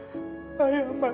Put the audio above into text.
dia jadi pembantu demi aku